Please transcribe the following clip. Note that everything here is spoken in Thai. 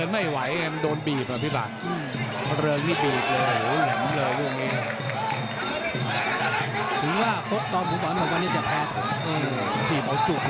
ก็จุบเลยอย่างงี้